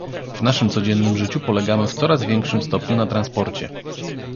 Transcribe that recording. W naszym codziennym życiu polegamy w coraz większym stopniu na transporcie